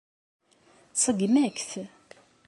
Tseggem-ak-t.